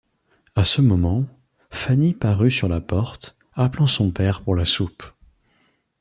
À ce moment, Fanny parut sur la porte, appelant son père pour la soupe.